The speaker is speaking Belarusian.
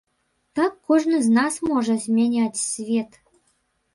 Так кожны з нас можа змяняць свет.